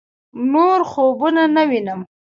نور خوبونه نه وينم